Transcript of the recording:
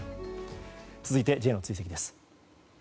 続いて、Ｊの追跡です。